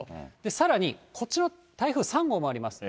さらに、こっちのほう、台風３号もあります。